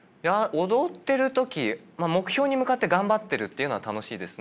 踊ってる時目標に向かって頑張ってるっていうのは楽しいですね。